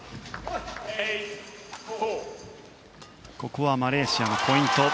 ここはマレーシアのポイント。